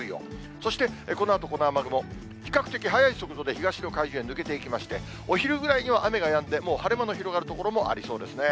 そして、このあと、この雨雲、比較的速い速度で東の海上に抜けていきまして、お昼ぐらいには雨はやんで、もう晴れ間の広がる所もありそうですね。